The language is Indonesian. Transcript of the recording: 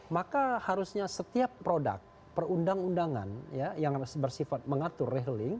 maka harusnya setiap produk perundang undangan yang bersifat mengatur rahelling